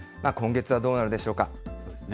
今月はどうなるでしょうか。